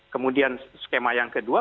kemudian skema yang kedua